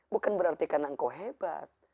bukan berarti karena engkau hebat